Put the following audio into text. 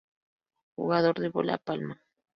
Jugador de bolo palma.